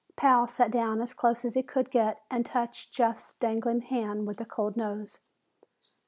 Pal sat down as close as he could get and touched Jeff's dangling hand with a cold nose.